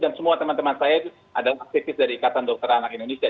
dan semua teman teman saya adalah aktivis dari ikatan dokter anak indonesia